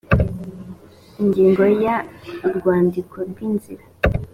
ingingo ya urwandiko rw inzira